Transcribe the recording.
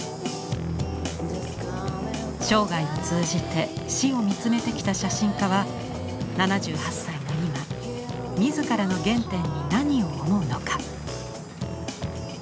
生涯を通じて死を見つめてきた写真家は７８歳の今自らの原点に何を思うのか。